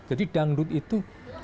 jadi dangdut itu